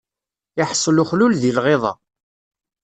Iḥṣel uxlul di lɣiḍa.